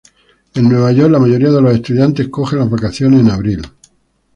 En Nueva York la mayoría de estudiantes cogen las vacaciones en abril.